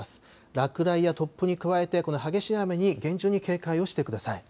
落雷や突風に加えて、この激しい雨に厳重に警戒をしてください。